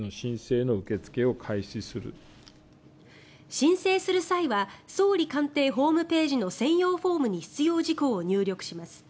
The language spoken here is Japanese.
申請する際は総理官邸ホームページの専用フォームに必要事項を入力します。